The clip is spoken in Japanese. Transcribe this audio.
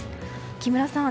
木村さん